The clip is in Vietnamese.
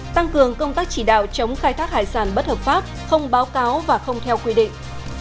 tăng cường công tác chỉ đạo chống khai thác hải sản bất hợp pháp không báo cáo và không theo quy định